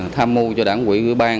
tham mưu cho đảng quỹ ngưỡng bang